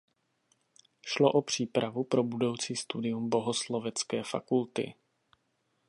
Šlo o přípravu pro budoucí studium bohoslovecké fakulty.